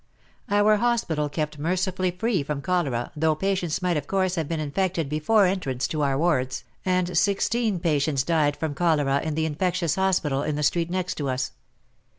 Our hospital kept mercifully free from cholera, though patients might of course have been infected before entrance to our wards, and sixteen 144 WAR AND WOMEN patients died from cholera in the infectious hospital in the street next to us.